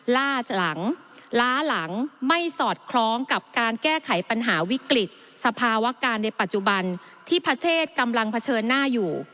ล่าหลังล้าหลังไม่สอดคล้องกับการแก้ไขปัญหาวิกฤตสภาวะการในปัจจุบันที่ประเทศกำลังเผชิญหน้าอยู่